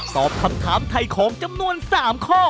ตอบคำถามถ่ายของจำนวน๓ข้อ